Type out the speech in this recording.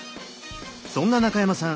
そんな中山さん